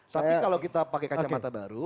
tapi kalau kita pakai kacamata baru